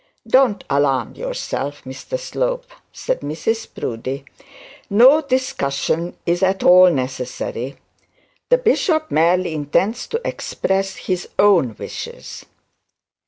'Don't alarm yourself, Mr Slope,' said Mrs Proudie, 'no discussion is at all necessary. The bishop merely intends to express his own wishes.'